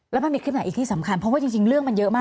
แล้วมันมีคลิปไหนอีกที่สำคัญเพราะว่าจริงเรื่องมันเยอะมาก